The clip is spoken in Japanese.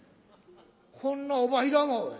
こんなおばんいらんわ。